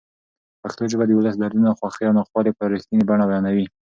پښتو ژبه د ولس دردونه، خوښۍ او ناخوالې په رښتینې بڼه بیانوي.